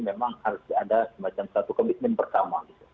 memang harus ada semacam satu komitmen pertama